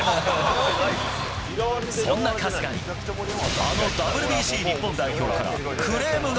そんな春日に、あのＷＢＣ日本代表からクレームが。